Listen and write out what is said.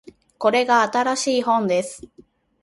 これが新しい本です